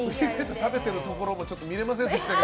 食べてるところも見れませんでしたけど。